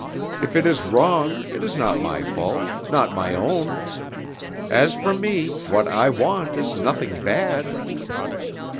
If it is wrong it is not my fault, not my own. As for me, what I want is nothing bad."